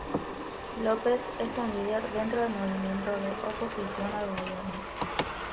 López es un líder dentro del movimiento de oposición al gobierno.